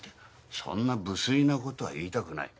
そんな無粋なことは言いたくない。